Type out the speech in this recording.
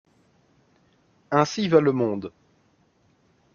Ainsi va le monde !